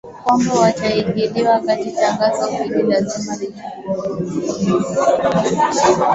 kwamba wataingilia kati Tangazo hilo lazima lichukuliwe